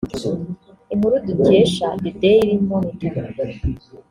Inkuru dukesha the Daily Monitor